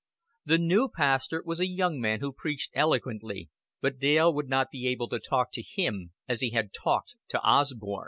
The new pastor was a young man who preached eloquently, but Dale would not be able to talk to him as he had talked to Osborn.